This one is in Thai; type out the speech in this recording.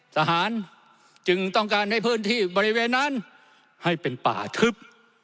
ทหารจึงต้องการให้พื้นที่บริเวณนั้นให้เป็นป่าทึบ